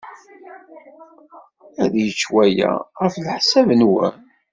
Ad yečč waya, ɣef leḥsab-nwen?